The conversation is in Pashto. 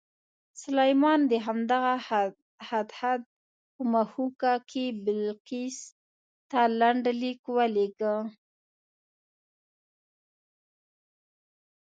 سلیمان د همدغه هدهد په مښوکه کې بلقیس ته لنډ لیک ولېږه.